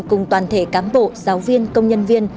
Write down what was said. cùng toàn thể cán bộ giáo viên công nhân viên